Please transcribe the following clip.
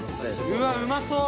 うわうまそう！